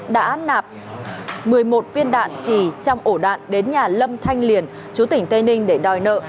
đã nạp một mươi một viên đạn trì trong ổ đạn đến nhà lâm thanh liền chú tỉnh tây ninh để đòi nợ